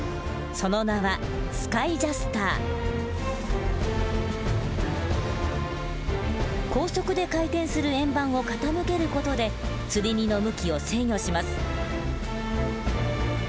その名は高速で回転する円盤を傾ける事で吊り荷の向きを制御します。